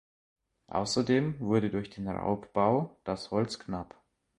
Außerdem wurde durch den Raubbau das Holz knapp.